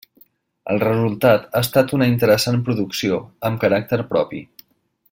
El resultat ha estat una interessant producció, amb caràcter propi.